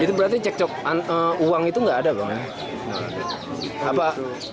itu berarti cekcokan uang itu nggak ada bang